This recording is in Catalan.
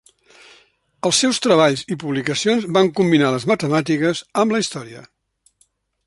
Els seus treballs i publicacions van combinar les matemàtiques amb la història.